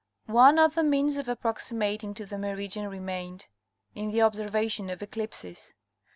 One other means of approximating to the meridian remained, | in the observation of eclipses.